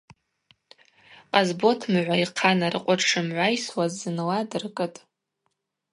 Къасботмыгӏва йхъа наркъвы дшымгӏвайсуаз зынла дыркӏытӏ.